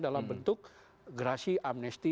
dalam bentuk gerasi amnesty